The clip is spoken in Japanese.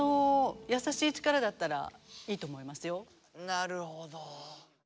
なるほど。